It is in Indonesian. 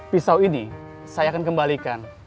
pisau ini saya akan kembalikan